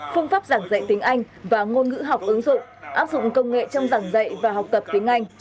phương pháp giảng dạy tiếng anh và ngôn ngữ học ứng dụng áp dụng công nghệ trong giảng dạy và học tập tiếng anh